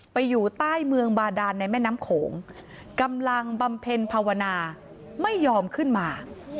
อยู่ใต้เมืองบาดานในแม่น้ำโขงกำลังบำเพ็ญภาวนาไม่ยอมขึ้นมา